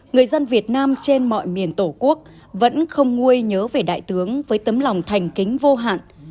người dân việt nam trên mọi miền tổ quốc vẫn không nguôi nhớ về đại tướng với tấm lòng thành kính vô hạn